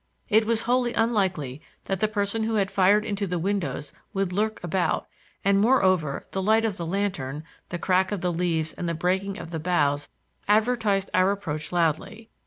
It was wholly unlikely that the person who had fired into the windows would lurk about, and, moreover, the light of the lantern, the crack of the leaves and the breaking of the boughs advertised our approach loudly.